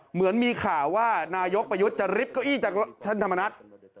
เหมือนมีข่าวว่านายกประยุทธ์จะริบเก้าอี้จากท่านธรรมนัฐ